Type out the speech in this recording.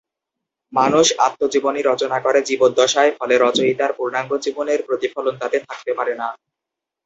মানুষ আত্মজীবনী রচনা করে জীবদ্দশায়, ফলে রচয়িতার পূর্ণাঙ্গ জীবনের প্রতিফলন তাতে থাকতে পারে না।